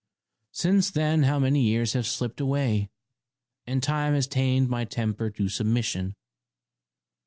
Since then how many years have slipped away ? And time has tamed my temper to submission.